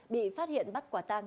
bị phát hiện bắt quả tang